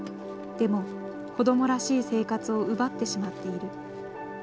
でも、子どもらしい生活を奪ってしまっている。